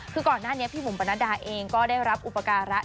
คือก่อนหน้านี้พี่หมุมปนัดดาเองก็ได้รับอุปการะเด็กคนหนึ่ง